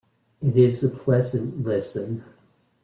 It is a pleasant listen.